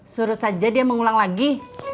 suruh saja dia mengulang lagi